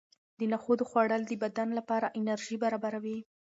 د نخودو خوړل د بدن لپاره انرژي برابروي.